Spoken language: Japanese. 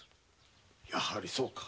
やはりそうか。